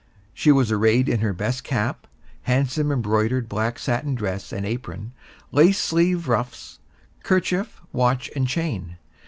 She was arrayed in her best cap, handsome embroidered black satin dress and apron, lace sleeve ruffs, kerchief, watch and chain.